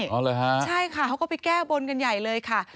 อ๋อเหรอฮะใช่ค่ะเขาก็ไปแก้บนกันใหญ่เลยค่ะ